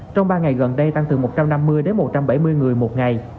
trong ba ngày gần đây tăng từ một trăm năm mươi đến một trăm bảy mươi người một ngày